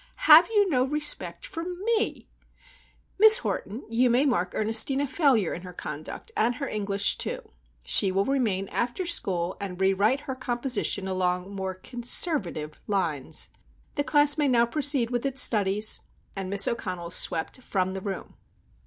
have you no respect for me? Miss Horton, you may mark Ernestine a failure in her conduct and her English, too. She will remain after school, and rewrite her composition along more conservative lines. The class may now proceed with its studies." And Miss O'Connell swept from the room.